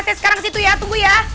saya sekarang kesitu ya tunggu ya